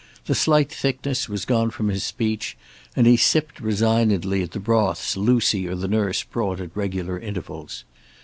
The slight thickness was gone from his speech, and he sipped resignedly at the broths Lucy or the nurse brought at regular intervals.